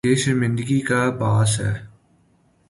یہ شرمندگی کا باعث ہے۔